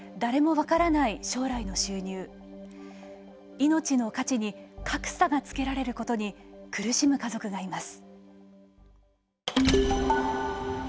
いのちの価値に格差がつけられることに苦しむ家族がいます。